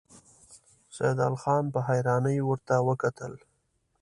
سيدال خان په حيرانۍ ورته وکتل.